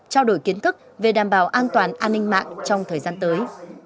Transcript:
trao đổi kiến thức về đảm bảo an toàn an ninh mạng trong thời gian tới